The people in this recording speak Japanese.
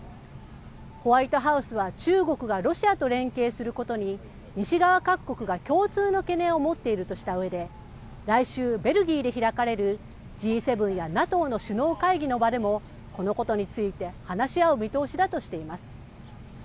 ホワイトハウスは中国がロシアと連携することに、西側各国が共通の懸念を持っているとしたうえで、来週、ベルギーで開かれるＧ７やＮＡＴＯの首脳会議の場でも、このことについて話し合う見通しだとしています。